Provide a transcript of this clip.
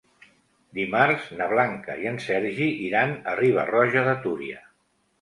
Dimarts na Blanca i en Sergi iran a Riba-roja de Túria.